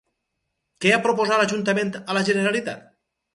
Què ha proposat l'ajuntament a la Generalitat?